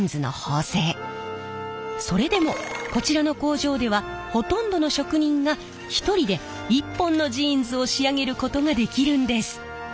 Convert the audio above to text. それでもこちらの工場ではほとんどの職人が１人で１本のジーンズを仕上げることができるんです。